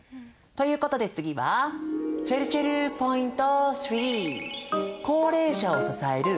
ということで次はちぇるちぇるポイント３。